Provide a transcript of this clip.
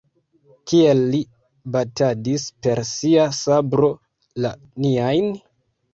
Kiel li batadis per sia sabro la niajn?